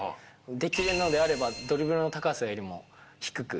できるのであればドリブルの高さよりも低く。